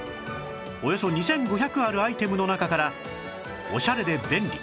およそ２５００あるアイテムの中からオシャレで便利！